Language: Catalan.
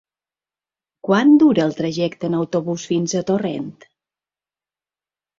Quant dura el trajecte en autobús fins a Torrent?